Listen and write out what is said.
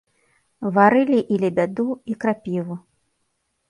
Варылі і лебяду, і крапіву.